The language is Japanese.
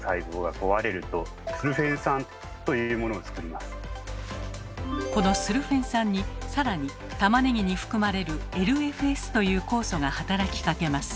このスルフェン酸に更にたまねぎに含まれる「ＬＦＳ」という酵素が働きかけます。